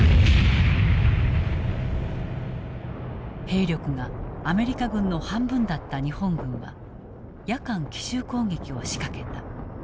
兵力がアメリカ軍の半分だった日本軍は夜間奇襲攻撃をしかけた。